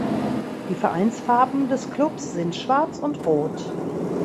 Die Vereinsfarben des Klubs sind Schwarz und Rot.